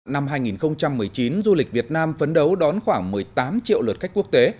năm hai nghìn một mươi chín du lịch việt nam phấn đấu đón khoảng một mươi tám triệu lượt khách quốc tế